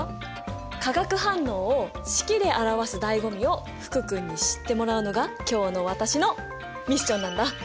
化学反応を式で表すだいご味を福君に知ってもらうのが今日の私のミッションなんだ！